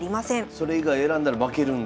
それ以外選んだら負けるんですか。